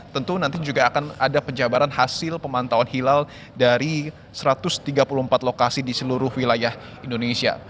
tentu nanti juga akan ada penjabaran hasil pemantauan hilal dari satu ratus tiga puluh empat lokasi di seluruh wilayah indonesia